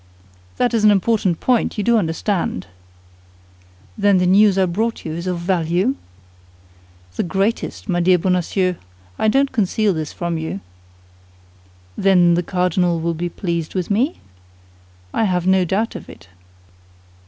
"That is an important point, do you understand?" "Then the news I brought you is of value?" "The greatest, my dear Bonacieux; I don't conceal this from you." "Then the cardinal will be pleased with me?" "I have no doubt of it."